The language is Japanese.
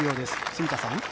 住田さん。